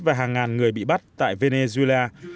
và hàng ngàn người bị bắt tại venezuela